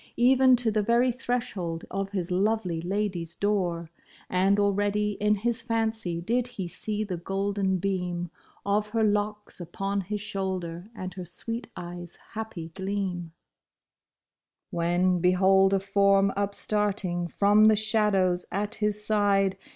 Even to the very threshold of his lovely lady's door. And already in his fancy did he see the golden beam Of her locks upon his shoulder and her sweet eyes' happy gleam : When behold a form upstarting from the shadows at his side.